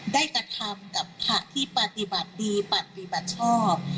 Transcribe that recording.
กระทำกับพระที่ปฏิบัติดีปฏิบัติชอบ